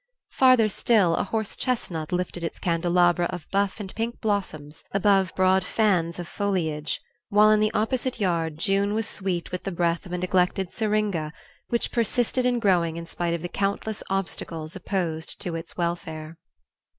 Farther still, a horse chestnut lifted its candelabra of buff and pink blossoms above broad fans of foliage; while in the opposite yard June was sweet with the breath of a neglected syringa, which persisted in growing in spite of the countless obstacles opposed to its welfare.